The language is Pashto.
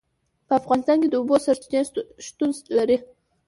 په افغانستان کې د اوبو سرچینې شتون لري.